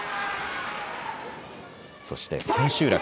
そして千秋楽。